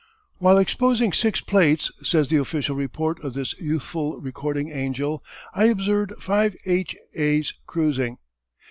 "While exposing six plates," says the official report of this youthful recording angel, "I observed five H. A.'s cruising."